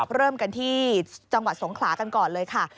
เริ่มกันที่จังหวัดสงขลากันก่อนเลยค่ะ